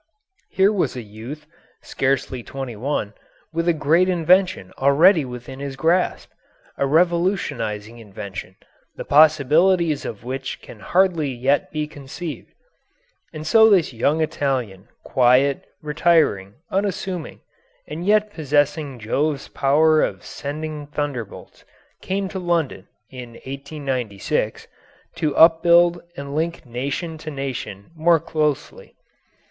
Here was a youth (scarcely twenty one), with a great invention already within his grasp a revolutionising invention, the possibilities of which can hardly yet be conceived. And so this young Italian, quiet, retiring, unassuming, and yet possessing Jove's power of sending thunderbolts, came to London (in 1896), to upbuild and link nation to nation more closely.